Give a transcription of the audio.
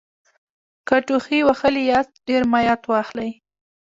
که ټوخي وهلي یاست ډېر مایعت واخلئ